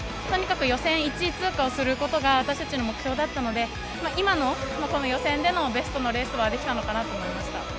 とにかく予選１位通過をすることが、私たちの目標だったので、今のこの予選でのベストのレースはできたのかなと思いました。